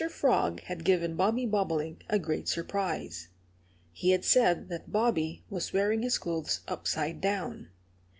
FROG had given Bobby Bobolink a great surprise. He had said that Bobby was wearing his clothes upside down.